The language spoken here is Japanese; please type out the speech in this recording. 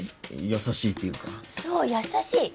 優しいっていうかそう優しい！